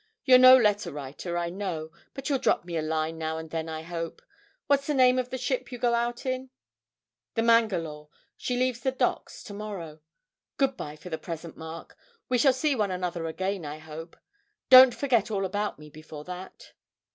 You're no letter writer, I know, but you'll drop me a line now and then, I hope. What's the name of the ship you go out in?' 'The "Mangalore." She leaves the Docks to morrow. Good bye for the present, Mark. We shall see one another again, I hope. Don't forget all about me before that.'